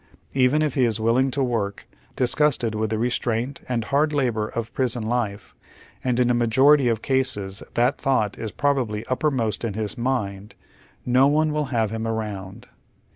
Even if he is willing to work, disgusted with the restraint and hard labor of prison life, and in a majority of cases that thought is probably uppermost in his mind, no one will have him around.